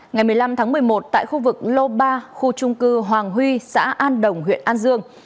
ngày một mươi năm tháng một mươi một tại khu vực lô ba khu trung cư hoàng huy xã an đồng huyện an dương